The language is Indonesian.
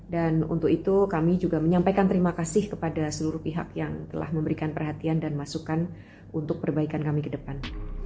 dan masukan untuk perbaikan kami ke depan